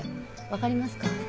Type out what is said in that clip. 分かりますか？